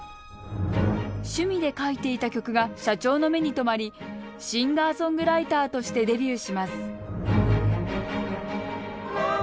趣味で書いていた曲が社長の目に留まりシンガーソングライターとしてデビューします